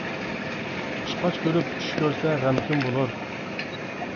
قۇشقاچ كۆرۈپ چۈش كۆرسە غەمكىن بولۇر.